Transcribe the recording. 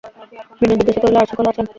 বিনয় জিজ্ঞাসা করিল, আর-সকলে আছেন?